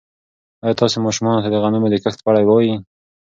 ایا تاسي ماشومانو ته د غنمو د کښت په اړه وایئ؟